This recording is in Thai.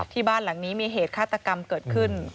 บ้านหลังนี้มีเหตุฆาตกรรมเกิดขึ้น